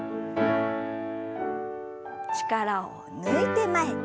力を抜いて前。